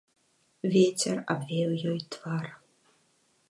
Вецер абвеяў ёй твар.